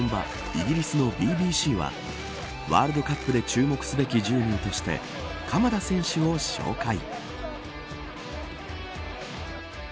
イギリスのＢＢＣはワールドカップで注目すべき１０人として鎌田選手を紹介。